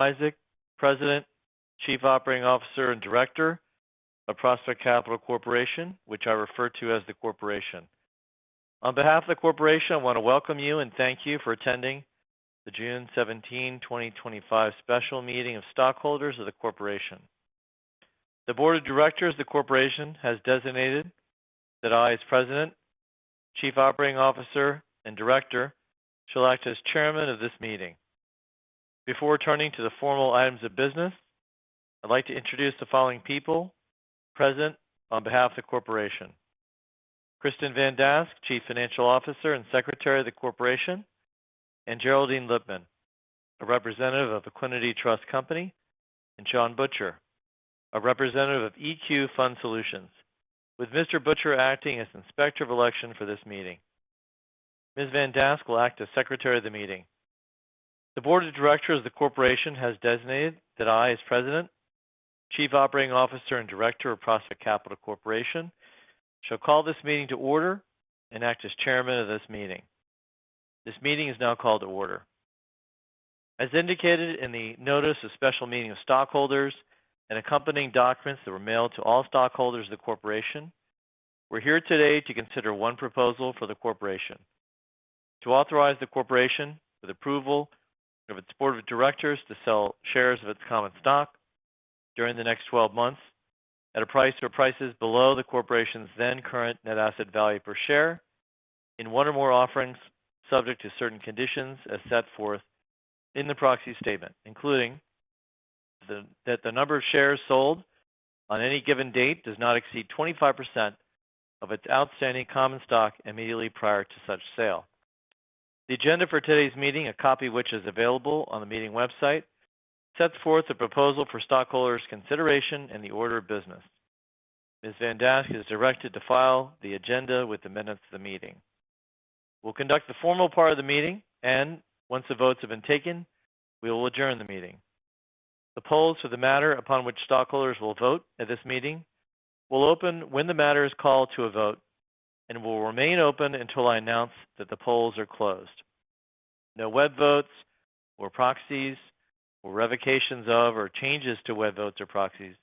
Isaac, President, Chief Operating Officer, and Director of Prospect Capital Corporation, which I refer to as the Corporation. On behalf of the Corporation, I want to welcome you and thank you for attending the June 17, 2025, special meeting of stockholders of the Corporation. The Board of Directors of the Corporation has designated that I, as President, Chief Operating Officer, and Director, shall act as Chairman of this meeting. Before turning to the formal items of business, I'd like to introduce the following people present on behalf of the Corporation: Kristin Van Dask, Chief Financial Officer and Secretary of the Corporation; and Geraldine Lipman, a representative of Equity Trust Company; and Sean Butcher, a representative of EQ Fund Solutions, with Mr. Butcher acting as Inspector of Election for this meeting. Ms. Van Dask will act as Secretary of the Meeting. The Board of Directors of the Corporation has designated that I, as President, Chief Operating Officer and Director of Prospect Capital Corporation, shall call this meeting to order and act as Chairman of this meeting. This meeting is now called to order. As indicated in the Notice of Special Meeting of Stockholders and accompanying documents that were mailed to all stockholders of the Corporation, we're here today to consider one proposal for the Corporation: to authorize the Corporation, with approval of its Board of Directors, to sell shares of its common stock during the next 12 months at a price or prices below the Corporation's then current net asset value per share in one or more offerings subject to certain conditions as set forth in the proxy statement, including that the number of shares sold on any given date does not exceed 25% of its outstanding common stock immediately prior to such sale. The agenda for today's meeting, a copy of which is available on the meeting website, sets forth a proposal for stockholders' consideration and the order of business. Ms. Van Dask is directed to file the agenda with amendments to the meeting. We'll conduct the formal part of the meeting, and once the votes have been taken, we will adjourn the meeting. The polls for the matter upon which stockholders will vote at this meeting will open when the matter is called to a vote and will remain open until I announce that the polls are closed. No web votes or proxies or revocations of or changes to web votes or proxies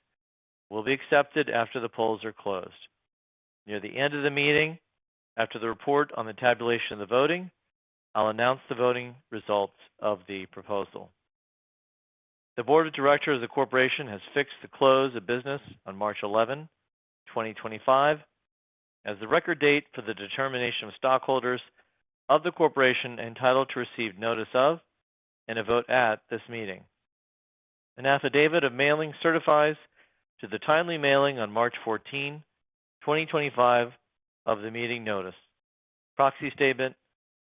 will be accepted after the polls are closed. Near the end of the meeting, after the report on the tabulation of the voting, I'll announce the voting results of the proposal. The Board of Directors of the Corporation has fixed the close of business on March 11, 2025, as the record date for the determination of stockholders of the Corporation entitled to receive notice of and a vote at this meeting. An affidavit of mailing certifies to the timely mailing on March 14, 2025, of the meeting notice, proxy statement,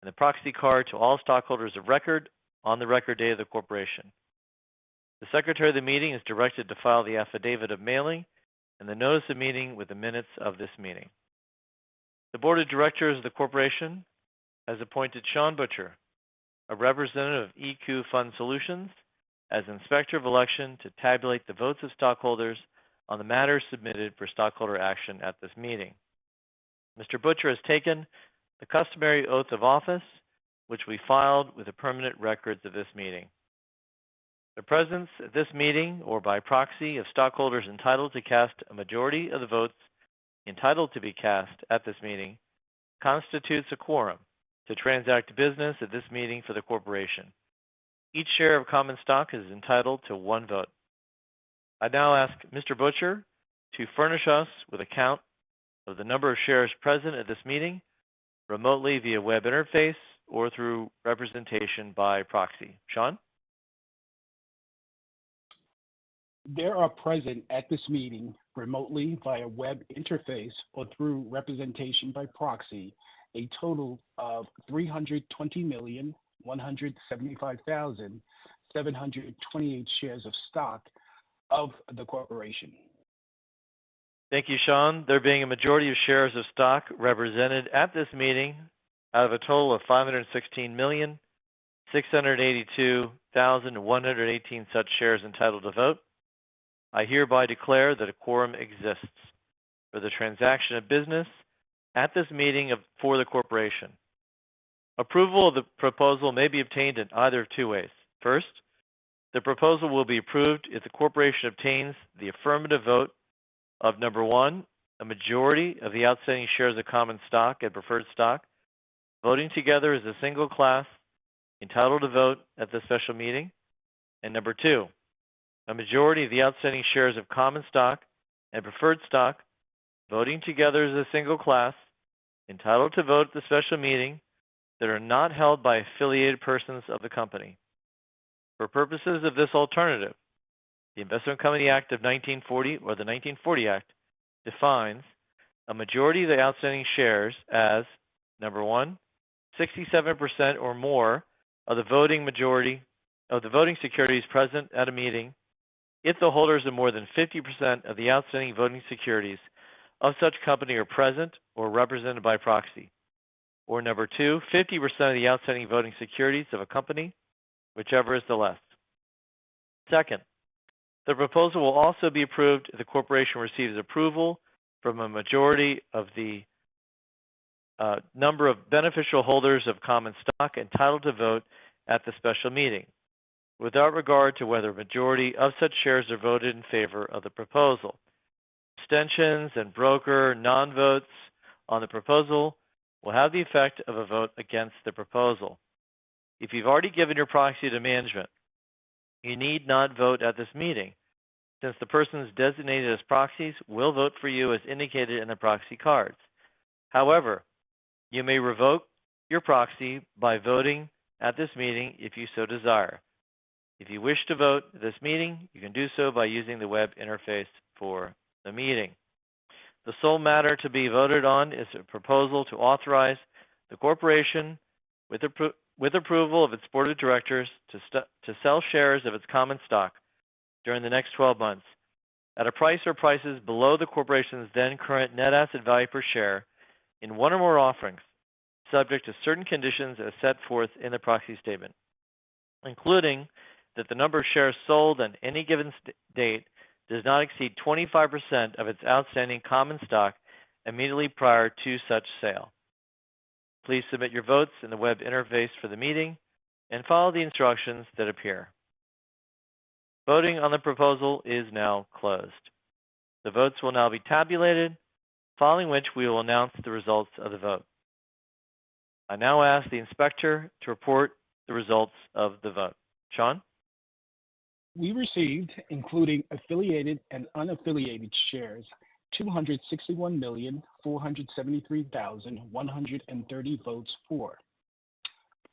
and a proxy card to all stockholders of record on the record date of the Corporation. The Secretary of the Meeting is directed to file the affidavit of mailing and the notice of meeting with the minutes of this meeting. The Board of Directors of the Corporation has appointed Sean Butcher, a representative of EQ Fund Solutions, as Inspector of Election to tabulate the votes of stockholders on the matters submitted for stockholder action at this meeting. Mr. Butcher has taken the customary oath of office, which we filed with the permanent records of this meeting. The presence at this meeting or by proxy of stockholders entitled to cast a majority of the votes entitled to be cast at this meeting constitutes a quorum to transact business at this meeting for the Corporation. Each share of common stock is entitled to one vote. I now ask Mr. Butcher to furnish us with a count of the number of shares present at this meeting remotely via web interface or through representation by proxy. Sean? There are present at this meeting remotely via web interface or through representation by proxy a total of 320,175,728 shares of stock of the Corporation. Thank you, Sean. There being a majority of shares of stock represented at this meeting out of a total of 516,682,118 such shares entitled to vote, I hereby declare that a quorum exists for the transaction of business at this meeting for the Corporation. Approval of the proposal may be obtained in either of two ways. First, the proposal will be approved if the Corporation obtains the affirmative vote of number one, a majority of the outstanding shares of common stock and preferred stock voting together as a single class entitled to vote at the special meeting, and number two, a majority of the outstanding shares of common stock and preferred stock voting together as a single class entitled to vote at the special meeting that are not held by affiliated persons of the Company. For purposes of this alternative, the Investment Company Act of 1940 or the 1940 Act defines a majority of the outstanding shares as number one, 67% or more of the voting securities present at a meeting if the holders of more than 50% of the outstanding voting securities of such Company are present or represented by proxy, or number two, 50% of the outstanding voting securities of a Company, whichever is the less. Second, the proposal will also be approved if the Corporation receives approval from a majority of the number of beneficial holders of common stock entitled to vote at the special meeting without regard to whether a majority of such shares are voted in favor of the proposal. Abstentions and broker non-votes on the proposal will have the effect of a vote against the proposal. If you've already given your proxy to management, you need not vote at this meeting since the persons designated as proxies will vote for you as indicated in the proxy cards. However, you may revoke your proxy by voting at this meeting if you so desire. If you wish to vote at this meeting, you can do so by using the web interface for the meeting. The sole matter to be voted on is a proposal to authorize the Corporation, with approval of its Board of Directors, to sell shares of its common stock during the next 12 months at a price or prices below the Corporation's then current net asset value per share in one or more offerings subject to certain conditions as set forth in the proxy statement, including that the number of shares sold on any given date does not exceed 25% of its outstanding common stock immediately prior to such sale. Please submit your votes in the web interface for the meeting and follow the instructions that appear. Voting on the proposal is now closed. The votes will now be tabulated, following which we will announce the results of the vote. I now ask the Inspector to report the results of the vote. Sean? We received, including affiliated and unaffiliated shares, 261,473,130 votes for,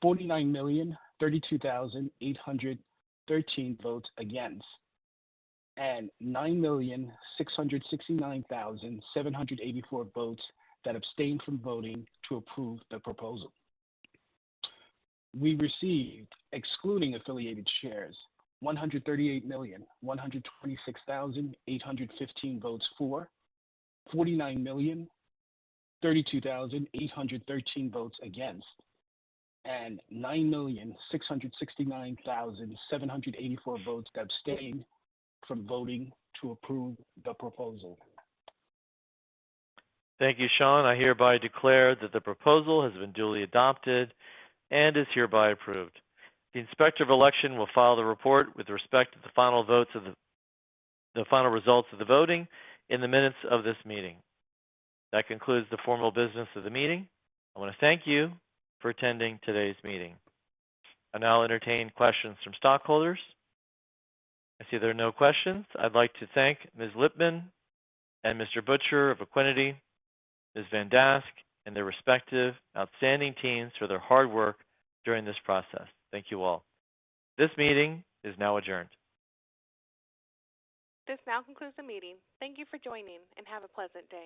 49,032,813 votes against, and 9,669,784 votes that abstained from voting to approve the proposal. We received, excluding affiliated shares, 138,126,815 votes for, 49,032,813 votes against, and 9,669,784 votes that abstained from voting to approve the proposal. Thank you, Sean. I hereby declare that the proposal has been duly adopted and is hereby approved. The Inspector of Election will file the report with respect to the final results of the voting in the minutes of this meeting. That concludes the formal business of the meeting. I want to thank you for attending today's meeting. I now entertain questions from stockholders. I see there are no questions. I'd like to thank Ms. Lipman and Mr. Butcher of EQ Fund Solutions, Ms. Van Dask, and their respective outstanding teams for their hard work during this process. Thank you all. This meeting is now adjourned. This now concludes the meeting. Thank you for joining and have a pleasant day.